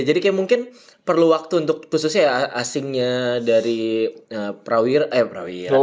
jadi kayak mungkin perlu waktu untuk khususnya asingnya dari prawir eh prawir